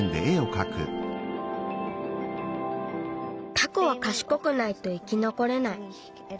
タコはかしこくないと生きのこれない。